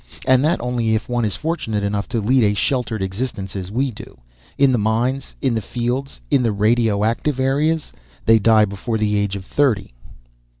And that only if one is fortunate enough to lead a sheltered existence, as we do. In the mines, in the fields, in the radioactive areas, they die before the age of thirty."